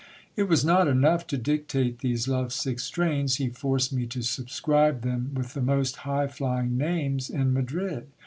It was not enough to dictate these love sick strains ; he forced me to subscribe them with the most high flying names in Madrid.